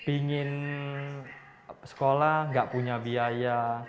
ingin sekolah nggak punya biaya